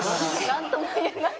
なんとも言えない。